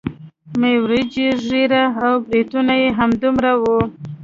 مۍ وريجې ږيره او برېتونه يې همدومره وو.